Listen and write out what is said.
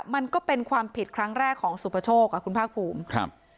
มันก็เป็นความผิดครั้งแรกของสุประโชคอ่ะคุณภาคภูมิครับ